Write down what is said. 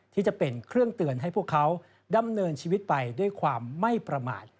ที่จะเป็นเครื่องเตือนให้พวกเขาดำเนินชีวิตไปด้วยความไม่ประมาท